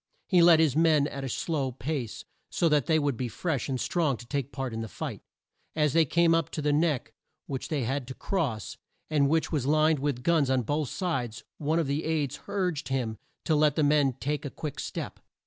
He led his men at a slow pace, so that they would be fresh and strong to take part in the fight. As they came up to the Neck, which they had to cross, and which was lined with guns on both sides, one of the aides urged him to let the men take a quick step.